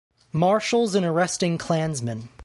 Marshals in arresting Klansmen.